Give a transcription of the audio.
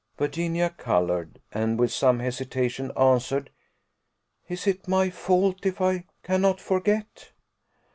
Virginia coloured; and, with some hesitation, answered, "Is it my fault if I cannot forget?"